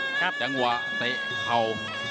อย่างหวะแตกเข่า